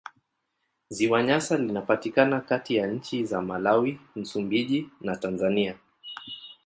Ziwa Nyasa linapatikana kati ya nchi za Malawi, Msumbiji na Tanzania.